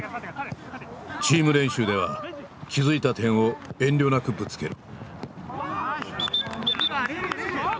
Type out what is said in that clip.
チーム練習では気付いた点を遠慮なくぶつける。